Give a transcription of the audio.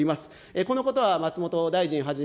このことは松本大臣はじめ